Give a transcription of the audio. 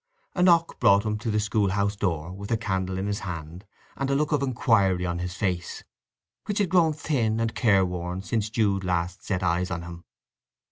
A knock brought him to the school house door, with a candle in his hand and a look of inquiry on his face, which had grown thin and careworn since Jude last set eyes on him.